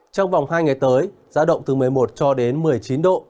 trong vòng hai ngày tới giá động từ một mươi một cho đến một mươi chín độ